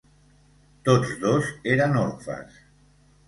Tots dos eren orfes.